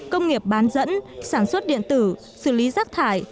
công nghiệp bán dẫn sản xuất điện tử xử lý rác thải